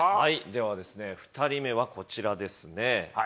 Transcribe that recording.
では、２人目はこちらですね。